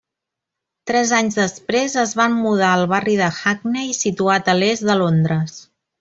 Tres anys després, es van mudar al barri de Hackney, situat a l'est de Londres.